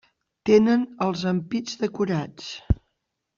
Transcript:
Tenen els ampits decorats.